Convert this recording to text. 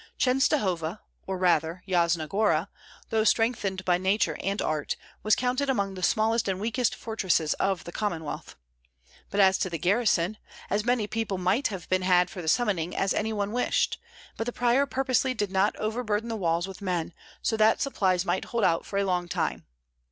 Chenstohova, or rather Yasna Gora, though strengthened by nature and art, was counted among the smallest and weakest fortresses of the Commonwealth. But as to the garrison, as many people might have been had for the summoning as any one wished; but the prior purposely did not overburden the walls with men, so that supplies might hold out for a long time.